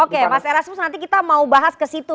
oke mas erasmus nanti kita mau bahas ke situ